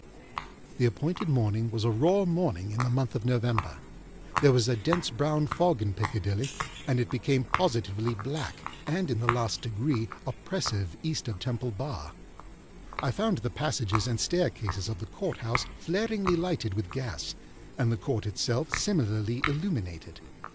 The appointed morning was a raw morning in the month of November. There was a dense brown fog in Piccadilly, and it became positively black and in the last degree oppressive East of Temple Bar. I found the passages and staircases of the Court House flaringly lighted with gas, and the Court itself similarly illuminated.